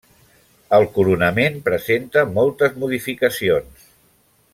El coronament presenta moltes modificacions.